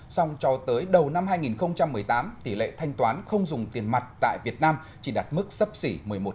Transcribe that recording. xong cho tới đầu năm hai nghìn một mươi tám tỷ lệ thanh toán không dùng tiền mặt tại việt nam chỉ đạt mức sấp xỉ một mươi một